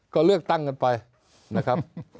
ก็เลือกตั้งกันไปนะครับ